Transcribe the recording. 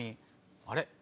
あれ？